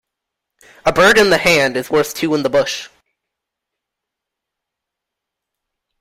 A bird in the hand is worth two in the bush.